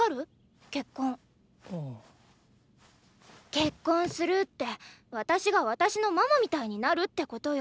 結婚するって私が私のママみたいになるってことよ！